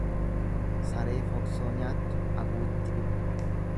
Saree foksoo nyaattu aguutti dhiba.